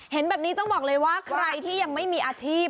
เห็นแบบนี้ต้องบอกเลยว่าใครที่ยังไม่มีอาชีพ